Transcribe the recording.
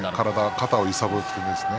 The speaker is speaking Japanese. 肩を揺さぶってですね